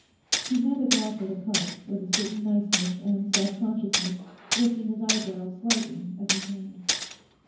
He handed Lawford a cup with a certain niceness and self consciousness, lifting his eyebrows slightly as he turned.